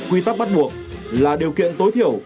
quy tắc bắt buộc là điều kiện tối thiểu